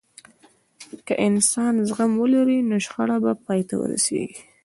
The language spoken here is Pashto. که انسان زغم ولري، نو شخړه به پای ته ورسیږي.